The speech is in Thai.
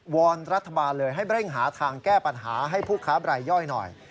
อนรัฐบาลเลยให้เร่งหาทางแก้ปัญหาให้ผู้ค้าบรายย่อยหน่อย